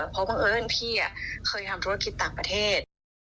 เพราะบังเอิญพี่เคยทำธุรกิจต่างประเทศ